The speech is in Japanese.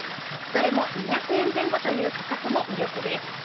どれも２００円前後という価格も魅力です。